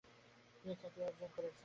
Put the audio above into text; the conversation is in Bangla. তিনি খ্যাতি অর্জন করেছেন।